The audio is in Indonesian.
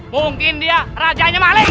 mungkin dia rajanya malik